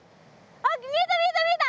見えた見えた見えた！